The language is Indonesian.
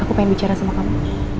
aku pengen bicara sama kamu